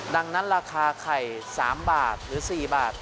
ดังนั้นราคาไข่๓บาทหรือ๔บาท